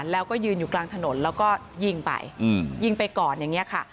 แล้วก็ยืนอยู่กลางถนนแล้วก็ยิงไปยิงไปก่อนอย่างนี้ค่ะ